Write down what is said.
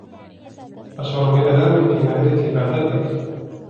أشعر بآلام في معدتي بعد الأكل.